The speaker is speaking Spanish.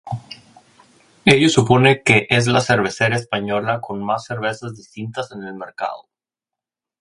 Ello supone que es la cervecera española con más cervezas distintas en el mercado.